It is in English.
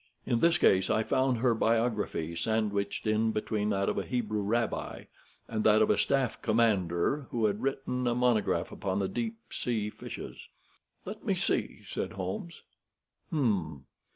In this case I found her biography sandwiched in between that of a Hebrew rabbi and that of a staff commander who had written a monograph upon the deep sea fishes. "Let me see!" said Holmes. "Hum!